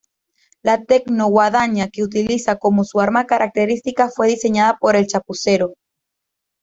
La tecno-guadaña que utiliza como su arma característica fue diseñada por el Chapucero.